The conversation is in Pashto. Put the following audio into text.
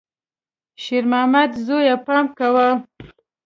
شېرمامده زویه، پام کوه!